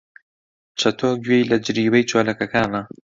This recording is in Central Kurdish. چەتۆ گوێی لە جریوەی چۆلەکەکانە.